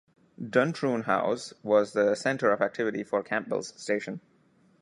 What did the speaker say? "Duntroon House" was the centre of activity for Campbell's station.